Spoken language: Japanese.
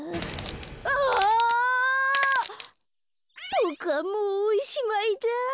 ボクはもうおしまいだ。